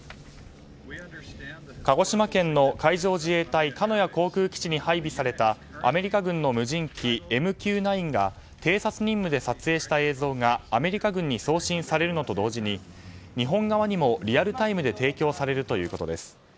鹿児島県の海上自衛隊鹿屋航空基地に配備されたアメリカ軍の無人機ＭＱ９が偵察任務で撮影した映像がアメリカ軍に送信されるのと同時に日本側にもリアルタイムで提供されるということです。